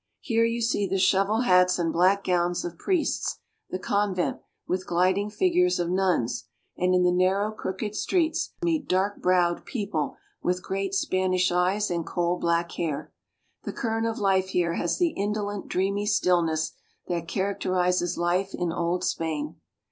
Here you see the shovel hats and black gowns of priests; the convent, with gliding figures of nuns; and in the narrow, crooked streets meet dark browed people with great Spanish eyes and coal black hair. The current of life here has the indolent, dreamy stillness that characterizes life in Old Spain.